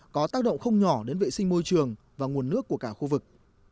có tác động không nhỏ đến vệ sinh môi trường và nguồn nước của cả khu vực